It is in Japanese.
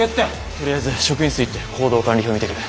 とりあえず職員室行って行動管理表見てくる。